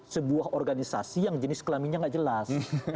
sebuah organisasi yang jenis kelaminnya nggak jelas